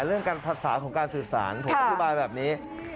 เรื่องการภาษาของการสื่อสารผมอธิบายแบบนี้